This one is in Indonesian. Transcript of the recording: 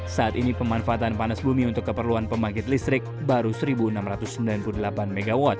saat ini pemanfaatan panas bumi untuk keperluan pembangkit listrik baru satu enam ratus sembilan puluh delapan mw